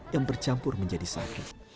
yang bercampur menjadi sakit